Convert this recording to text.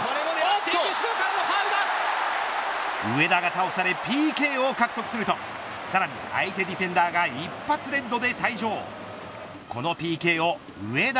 上田が倒されＰＫを獲得するとさらに、相手ディフェンダーが一発レッドで退場。